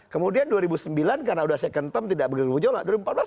kemudian dua ribu sembilan karena udah second term tidak begitu jauh lah